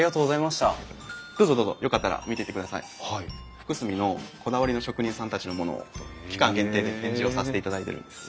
福住のこだわりの職人さんたちのものを期間限定で展示をさせていただいてるんです。